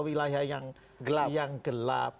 wilayah yang gelap